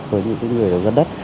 với những cái người đầu giá đất